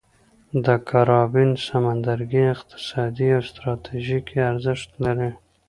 د کارابین سمندرګي اقتصادي او ستراتیژیکي ارزښت لري.